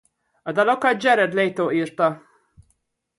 A dalokat Jared Leto írta.